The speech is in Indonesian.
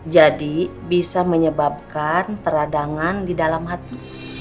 jadi bisa menyebabkan teradangan di dalam hati